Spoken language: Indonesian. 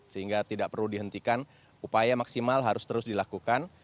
sehingga tidak perlu dihentikan upaya maksimal harus terus dilakukan